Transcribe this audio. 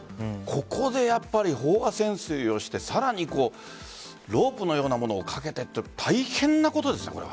ここでやっぱり飽和潜水をしてさらにロープのようなものをかけてって大変なことですよ。